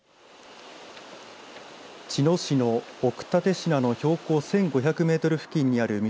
茅野市の奥蓼科の標高１５００メートル付近にある御